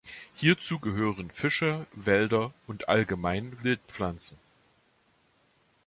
Hierzu gehören Fische, Wälder und allgemein Wildpflanzen.